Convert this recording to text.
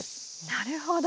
なるほど。